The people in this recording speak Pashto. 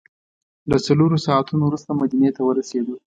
له څلورو ساعتو وروسته مدینې ته ورسېدو.